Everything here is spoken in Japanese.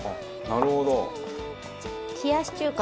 なるほど。